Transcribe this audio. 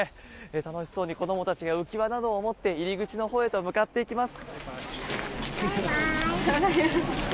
楽しそうに子どもたちが浮輪などを持って入り口のほうへと向かっていきます。